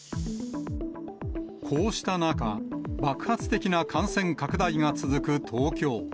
こうした中、爆発的な感染拡大が続く東京。